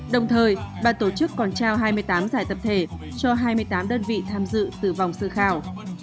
đồng thời ban tổ chức còn trao hai mươi tám giải tập thể cho hai mươi tám đơn vị tham dự từ vòng sơ khảo